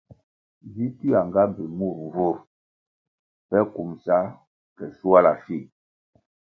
Vi tywia nga mbpi mur nvur pe kumbʼsa ke shuala fih.